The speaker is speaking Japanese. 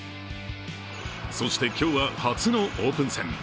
そして今日は初のオープン戦。